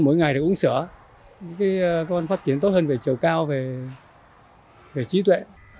mỗi ngày được uống sữa các con phát triển tốt hơn về chầu cao về trí tuệ